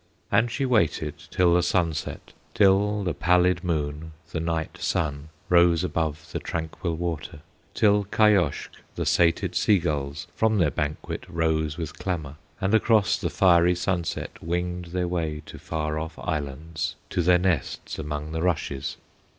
And she waited till the sun set, Till the pallid moon, the Night sun, Rose above the tranquil water, Till Kayoshk, the sated sea gulls, From their banquet rose with clamor, And across the fiery sunset Winged their way to far off islands, To their nests among the rushes.